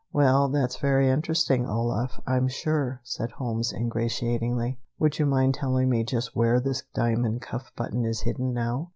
"Well, that's very interesting, Olaf, I'm sure," said Holmes ingratiatingly. "Would you mind telling me just where this diamond cuff button is hidden, now?"